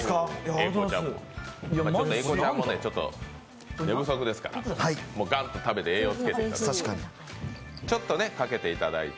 英孝ちゃんも寝不足ですからガンと食べて栄養つけていただいて。